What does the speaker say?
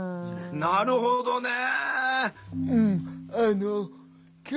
なるほどね。